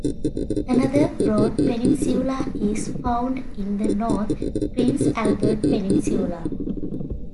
Another, broad peninsula is found in the north, Prince Albert Peninsula.